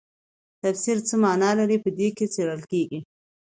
تفسیر څه مانا لري په دې کې څیړل کیږي.